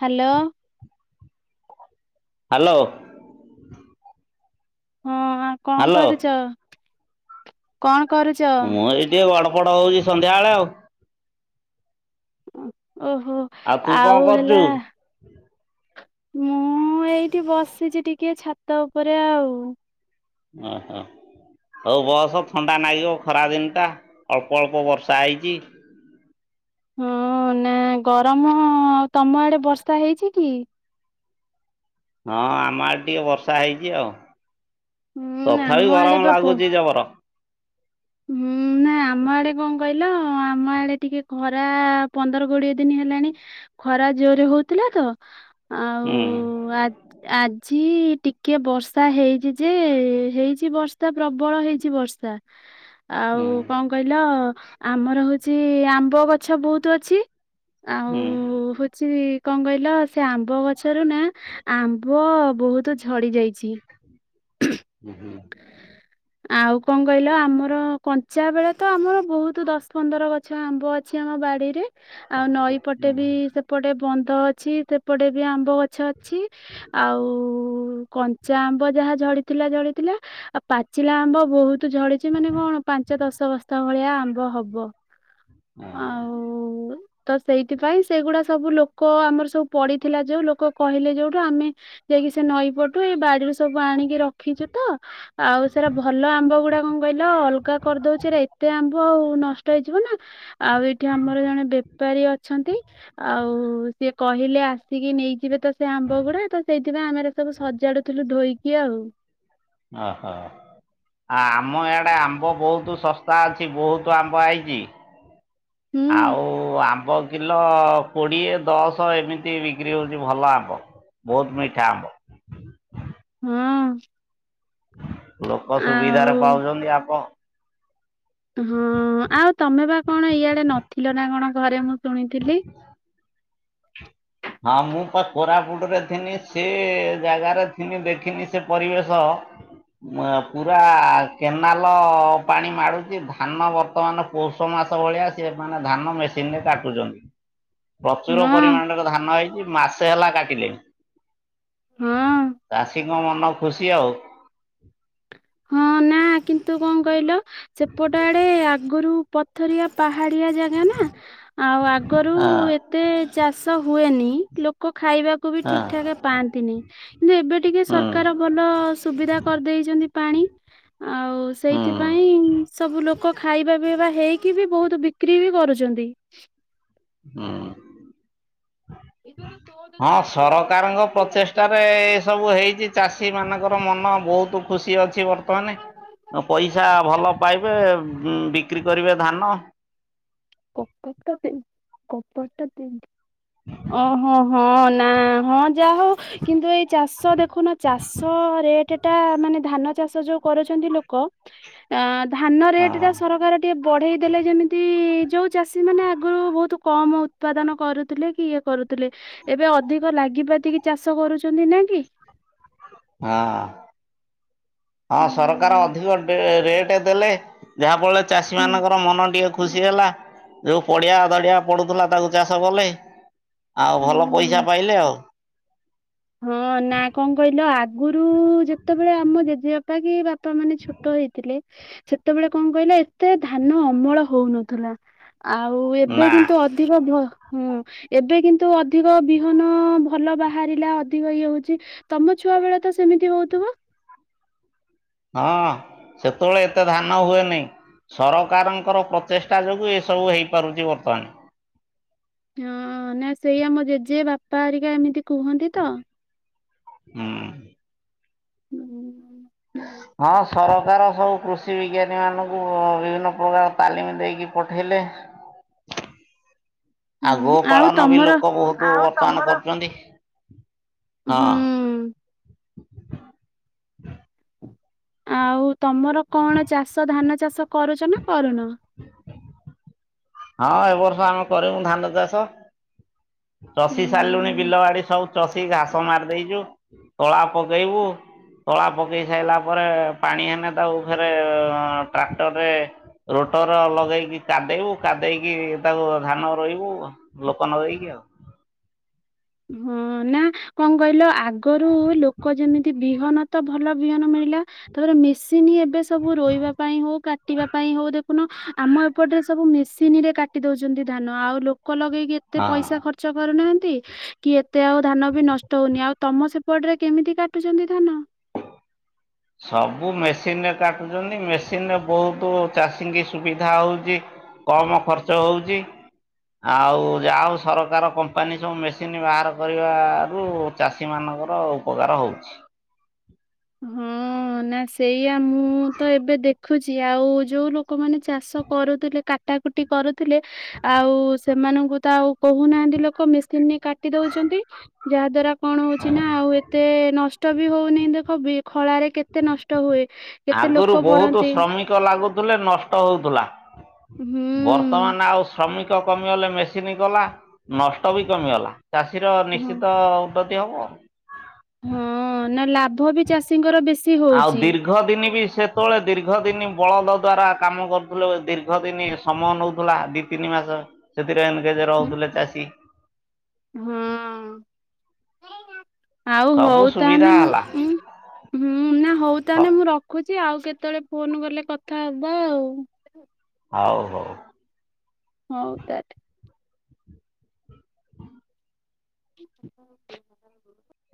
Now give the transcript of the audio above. Hello. Hello. ହଁ, ଆଉ କଣ ହ୍ୟାଲୋ କରୁଚ? କଣ କରୁଚ? ମୁଁ ଏଇ ଟିକେ ଗଡ ପଡ ହଉଛି, ସନ୍ଧ୍ୟାବେଳେ ଆଉ। ଓହୋ! ତୁ କଣ ଆଉ କରୁଛୁ? ହେଲା ମୁଁ ଏଇଠି ବସିଛି ଟିକେ ଛାତ ଉପରେ ଆଉ। ଉଁ, ହୁଁ। ହଉ ବସ। ଥଣ୍ଡା ନାଗିବ ଖରା ଦିନଟା, ଅଳ୍ପ ଅଳ୍ପ ବର୍ଷା ହେଇଚି। ହଁ, ନାଁ ଗରମ-ଅ ତମ ଆଡେ ବର୍ଷା ହେଇଚି କି? ହଁ, ଆମ ଆଡେ ଟିକେ ବର୍ଷା ହେଇଛି ଆଉ। ହୁଁ ଆମ ତଥାପି ଆଡେ ଗରମ ବା ବ ଲାଗୁଚି ଜବର। ହୁଁ ନା। ଆମ ଆଡେ କଣ କହିଲ? ଆମ ଆଡେ ଟିକେ ଖରା ପନ୍ଦର କୋଡିଏ ଦିନି ହେଲାଣି ଖରା ଜୋରେ ହଉଥିଲା ତ, ହୁଁ ଆଉ-ଉଁ ଆଜ୍ ଆଜି ଟିକେ ବର୍ଷା ହେଇଚି ଯେ, ହେଇଛି ବର୍ଷା ପ୍ରବଳ ହେଇଛି ବର୍ଷ ଷା। ଆଉ ହୁଁ କଣ କହିଲ? ଆମର ହଉଛି, ଆମ୍ବ ଗଛ ବହୁତ ଅଛି। ଆ ହୁଁ। ଓ ହୁଛି କଣ କହିଲ, ସେ ଆମ୍ବ ଗଛରୁ ନା? ଆମ୍ବ ବହୁତୁ ଝଡି ଯାଇଛି। ହ [inaudible] ହୁ ହୁଁ। ଆଉ, କଣ କହିଲ? ଆମର କଞ୍ଚା ବେଳେ ତ ଆମର ବହୁତ ଦଶ ପନ୍ଦର ଗଛ ଛ ଆମ୍ବ ଅଛି, ଆମ ବାଡିରେ। ଆଉ ନଈ ପଟେ ବି ସେପଟେ ବନ୍ଧ ଅଛି, ସେପଟେ ବି ଆମ୍ବ ଗ ମାଛ ଅଛି ଆଉ-ଉ, କଞ୍ଚା ଆମ୍ବ ଯାହା ଝଡ଼ିଥିଲା ଝଡ଼ିଥିଲା। ଆଉ ପା ପାଚିଲା ଆମ୍ବ ବହୁତ ଝଡିଛି ମାନେ କଣ? ପାଞ୍ଚ ଦଶ ବସ୍ତା ଭଳିଆ ଆମ୍ବ ହବ। ଓହୋ। ଆଉ-ଉ ତ ସେଇଥିପାଇଁ ସେଗୁଡା ସବୁ ଲୋକ ଆମର ସବୁ ପଡିିଥିଲା ଯୋଉ ଲୋକ କହିଲେ ଯୋଉଠୁ ଆମେ ଯାଇକି ସେ ନଈ ପଟୁ ଏଇ ବାଡିରୁ ସବୁ ଆଣିକି ରଖିଛୁ ତ? ଆଉ ସେରା ଭଲ ଆମ୍ବ ଗୁଡା କଣ କହିଲ ଅଲଗା କରିଦଉଛି, ଏତେ ଆମ୍ବ ଆଉ ନଷ୍ଟ ନଷ୍ଟ ହେଇିଯିବ ନା, ଆଉ ଏଇଠି ଆମର ଜଣେ ବେପାରୀ ଅଛନ୍ତି। ଆଉ ସିଏ କହିଲେ, ଆସିକି ନେଇଯିବେ ତ, ସେ ଆମ୍ବ ଗୁଡା ତ ସେଇଥିପାଇଁ ଆମେ ଏରା ସବୁ ସଜାଡୁଥିଲୁ ଧୋଇକି ଆଉ। ଅ, ହ। ଆ-ଆମ ଇଆଡେ ଆମ୍ବ ବହୁତ ଶସ୍ତା ଅଛି। ବହୁତ ଆମ୍ବ ଆଇଚି। ହୁଁ ଆଉ ଆମ୍ବ କି କିଲୋ କୋଡ଼ିଏ ଦଶ ଏମିତି ବିକ୍ରି ହଉଚି, ଭଲ ଆମ୍ବ ବହୁତ ମିଠା ଆମ୍ବ। ହୁଁ। ଲୋକ ସୁବିଧାରେ ଆଉ ପାଉଛନ୍ତି ଆମ୍ବ। ହଁ, ଆଉ ତମେ ବା କଣ ଇଆଡେ ନଥିଲ ନା କଣ? ଘରେ ମୁଁ ଶୁଣିଥିଲି। ହଁ, ମୁଁ ପା କୋରାପୁଟରେ ଥିନି। ସେ-ଏ ଜାଗାରେ ଥିନି, ଦେଖିନି ସେ ପରିବେଶ ପୁରା କେନାଲ ପାଣି ମାଡ଼ୁଚି, ଧାନ ବର୍ତ୍ତମାନ ପୌଷ ମାସ ଭଳିଆ, ସିଏ ମାନେ ଧାନ ମେସିନ ରେ କାଟୁଛନ୍ତି। ପ୍ରଚୁର ହଁ ପରିମାଣର ଧାନ ହେଇଛି ମାସେ ହେଲା ହଁ କାଟିଲିଣି। ଚାଷୀଙ୍କ ମନ ଖୁସି ଆଉ। ହଁ ନା କିନ୍ତୁ କଣ କହିଲ ସେପଟ ଆଡେ ଆଗୁରୁ ପଥରିଆ ପାହାଡିଆ ଜାଗା ନା, ଆଉ ହଁ ଆଗରୁ-ଉ-ଉ ଏ ଏତେ ଚାଷ ହୁଏନି ଲୋକ ଖାଇବା କୁ ବି ହଁ ଠିକଠାକ୍ ପାଆନ୍ତିନି, କିନ୍ତୁ ଏବେ ଟିକେ ହୁଁ ସରକାର ଭଲ ସୁବିଧା କରିଦେଇଚନ୍ତି। ହୁଁ ଆଉ ସେଇଥିପାଇଁ ସବୁ ଲୋକ ଖାଇବା ପିଇବା ହେଇକି ବି ବହୁତ ବିକ୍ରି ବି କରୁଚନ୍ତି। ହୁଁ। ହଁ ସରକାରଙ୍କ ପ୍ରଚେଷ୍ଟାରେ-ଏ-ଏ ସବୁ ହେଇଚି। ଚାଷୀମାନଙ୍କର ମନ ବହୁତ ଖୁସି ଅଛି ବର୍ତ୍ତମାନ ପଇସା କପଟ ଭଲ ପାଇବେ ବିକ୍ରି କରିବେ ଧାନ। [unintelligible] କବାଟଟା ଦିନ୍। ଓହୋଃ ହଁ ନା ହଁ ଯାହା ହଉ। କିନ୍ତୁ ଏଇ ଚାଷ ଦେଖୁନ ଚାଷ ରେଟଟା ମାନେ ଧାନ ଚାଷ ଯୋଉ କରୁଛନ୍ତି ଲୋକ ଧାନ ହଁ ରେଟ୍ ଟା ସରକାର ଟିକେ ବଢେଇ ଦେଲେ ଯେମିତି ଯୋଉ ଚାଷୀମାନେ ଆଗରୁ ବହୁତ କମ୍ ଉତ୍ପାଦନ କରୁଥିଲେ କି ଇଏ କରୁଥିଲେ। ଏବେ ଅଧିକ ଲାଗିପାତିକି ଚାଷ କରୁଛନ୍ତି ନା କି? ହଁ। ହଁ ସରକାର ହୁଁ ଅଧିକ ଡେ ରେଟ୍ ଦେଲେ ଯାହାଫଳରେ ଚାଷୀ ମାନଙ୍କ [unintelligible] ମନ ଟିକେ ଖୁସି ହେଲା ଯୋଉ ପଡିଆ ଧଡିଆ ପଡୁଥିଲା ତାକୁ ଚାଷ କଲେ। ଆଉ ଭଲ ହୁଁ ପଇସା ପାଇଲେ ଆଉ। ହଁ ନା କଣ କହିଲ ଆଗରୁ-ଉ-ଉ ଯେତେବେଳେ ଆମ ଜେଜେବାପା କି ବାପ୍ ବାପାମାନେ ଛୋଟ ହେଇଥିଲେ ସେତେବେଳେ କଣ କହିଲ ଏତେ ଧାନ ଅମଳ ହଉ ନଥିଲା। ଆଉ ଏବେ ନା କିନ୍ତୁ ଅଧ୍ ଅଧିକ ଭ ହୁଁ, ଏବେ କିନ୍ତୁ ଅଧିକ ବିହନ-ଅ-ଅ ଭଲ ବାହାରିଲା ଅ ଅଧିକ ଇଏ ହଉଚି, ତମ ଛୁଆବେଳେ ତ ସେମିତି ହଉଥିବ? ହଁ, ସେତେବେଳେ ଏତେ ଧାନ ହୁଏନି। ସରକାରଙ୍କର ପ୍ରଚେଷ୍ଟା ଯୋଗୁଁ ଏସବୁ ହେଇପାରୁଛି ବର୍ତ୍ତମାନ। ହଁ-ଅ-ଅ, ନା ସେଇଆ ମୋ ଜେଜେ ବାପା ହେରିକା ଏମିତି କୁହନ୍ତି ତ। ହୁଁ। ହଁ ସରକାର ସବୁ କୃଷି ବିଜ୍ଞାନୀମାନଙ୍କୁ ବିଭିନ୍ନ ପ୍ରକାର ତାଲିମ୍ ଦେଇକି ପଠେଇଲେ। ଆଉ ହୁଁ ଗୋପାଳନ ବି ତମର ଲୋକ ବହୁତ ବର୍ତ୍ତମାନ କରୁଚନ୍ତି। ହୁଁ ଆଉ ତମର କଣ ଚାଷ ଧାନ ଚାଷ କରୁଚ ନା କରୁନ? ହ ହଁ ଏବର୍ଷ ଆମେ କରିବୁ ଧାନ ଚାଷ। ଚଷି ସାରିଲୁଣି ହୁଁ। ବିଲ ବାଡି ସବୁ ଚଷି ଘାସ ମାରି ଦେଇଛୁ, ତଳା ପକେଇବୁ। ତଳା ପକେଇ ସାରିଲା ପରେ ପାଣି ହେନେ ତାକୁ ଫେରେ ଟ୍ରାକ୍ଟରରେ ରୋଟର ଲଗେଇକି କାଦେଇବୁ, କାଦେଇକି ତାକୁ ଧାନ ରୋଇବୁ। ଲୋକ ନଗେଇକି ଆଉ। ହଁ ନା କଣ କହିଲ ଆଗରୁ ଲୋକ ଯେମିତି ବିହନ ତ ଭଲ ବିହନ ମିଳିଲା ତାପରେ ମେସିନ ଏବେ ସବୁ ରୋଇବା ପାଇଁ ହଉ କାଟିବା ପାଇଁ ହଉ ଦେଖୁନ ଆମ ଏପଟରେ ସବୁ ମେସିନରେ କାଟି ଦଉଚନ୍ତି ଧାନ ଆଉ ଲୋକ ଲଗେଇକି ଏ ଏତେ ହଁ। ପଇସା ଖର୍ଚ୍ଚ କରୁନାହାନ୍ତି କି ଏତେ ଆଉ ଧାନ ବି ନଷ୍ଟ ହଉନି, ଆଉ ତମ ସେପଟରେ କେମିତି କାଟୁଛନ୍ତି ଧାନ? ସବୁ ମେସିନ ରେ କାଟୁଚନ୍ତି ମେସିନ ରେ ବହୁତ ଚାଷୀଙ୍କି ସୁବିଧା ହଉଚି। କମ୍ ଖର୍ଚ୍ଚ ହୋଉଚି। ଆଉ ଯାହା ହଉ ସରକାର କମ୍ପାନୀ ସବୁ ମେସିନ୍ ବାହାର କରିବାରୁ ଚାଷୀ ମାନଙ୍କର ଉପକାର ହଉଛି। ହଁ ନା ସେଇଆ ମୁଁ ତ ଏବେ ଦେଖୁଛି ଆଉ ଯୋଉ ଲୋକ ଲୋକମାନେ ଚାଷ କରୁଥିଲେ କାଟାକୁଟି କରୁଥିଲେ ଆଉ ସେମାନଙ୍କୁ ତ ଆଉ କହୁନାହାନ୍ତି ଲୋକ ମେସିନରେ କାଟି ଦଉଛନ୍ତି ଯାହା ଦ୍ଵାରା କଣ ହଉଛି ନା ଆଉ ଏତେ ନଷ୍ ଷ୍ଟ ବି ହଉନି ଦେଖ ବିି ଖଳାରେ କେତେ ନଷ୍ଟ ହୁଏ। କେତେ ଆଗୁରୁ ଲୋକ ବହୁତ ପଡନ୍ତି ଶ୍ରମିକ ଲାଗୁଥିଲେ ନଷ୍ଟ ହୋଉଥିଲା। ହୁଁ। ବର୍ତ୍ତମାନ ଆଉ ଶ୍ରମିକ କମିଗଲେ ମେସିନ୍ କଲା ନଷ୍ଟ ବି କମିଗଲା। ଚାଷୀର ହଁ ନିଶ୍ଚିତ ଉନ୍ନତି ହବ। ହଁ ନା ଲାଭ ବି ଚାଷୀଙ୍କର ବେଶୀ ଆଉ ହଉଛି ଦୀର୍ ର୍ଘ ଦିନି ବି ସେତେବେଳେ ଦୀର୍ଘଦିନି ବଳଦ ଦ୍ୱାରା କାମ କରୁଥିଲେ ଦୀର୍ଘଦିନି ସମୟ ନୋଉ ଥିଲା। ତିନି ମାସ ସେଥିରେ ଏନଗେଜ୍ ହୁଁ, ରହୁଥିଲେ ଚାଷୀ। ହଁ, ଆଉ ସବୁ ହଉ ତାହନେ ସୁବିଧା ମୁଁ ହେଲା ଉଁ ହୁଁ ନା ହଉ ତାନେ ମୁଁ ରଖୁଚି ଆଉ କେତେବେଳେ ଫୋନ କଲେ କଥା ହବା ଆଉ। ହଉ ହଉ। ହଉ ତାଲେ। [inaudible] [unintelligible]